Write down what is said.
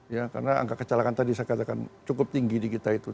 ya karena angka kecelakaan tadi saya katakan cukup tinggi di kita itu